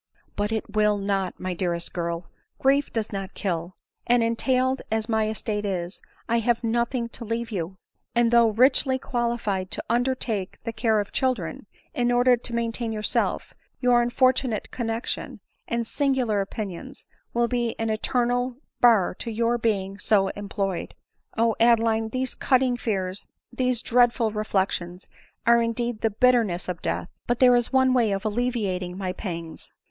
" But it will not, my dearest girl ; grief does not kill ; and entailed as my estate is, I have nothing to leave you ; and though richly qualified to undertake the care of children, in order to maintain yourself, your unfortunate connexion, and singular opinions, will be an eternal bar to your being so employed. O Adeline ! these cutting fears, these dreadful reflections, are indeed the bitter ness of death ; but there is one way of alleviating my pangs."